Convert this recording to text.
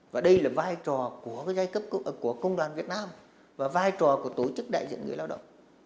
và đây là vai trò của giai cấp của công đoàn việt nam và vai trò của tổ chức đại diện người lao động